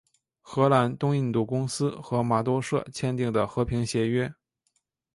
荷兰东印度公司和麻豆社签订的和平协约。